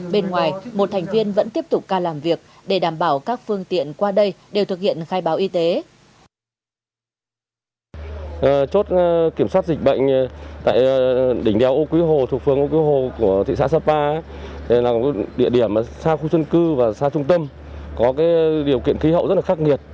bên ngoài một thành viên vẫn tiếp tục ca làm việc để đảm bảo các phương tiện qua đây đều thực hiện khai báo y tế